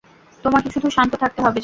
তোমাকে শুধু শান্ত থাকতে হবে, জনি।